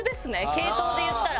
系統で言ったら。